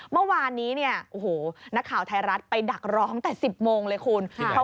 เมื่อวานนี้นักข่าวไทยรัฐไปดักร้องแต่๑๐โมงเลยคุณ